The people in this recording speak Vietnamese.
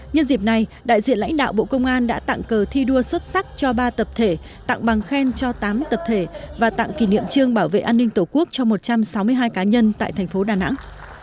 nhân dịp này đại diện lãnh đạo bộ công an đã tặng cờ thi đua xuất sắc cho ba tập thể tặng bằng khen cho tám tập thể và tặng kỷ niệm trương bảo vệ an ninh tổ quốc cho một trăm sáu mươi hai cá nhân tại thành phố đà nẵng